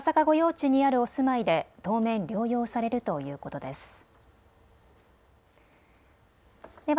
御用地にあるお住まいで当面、療養されるということです。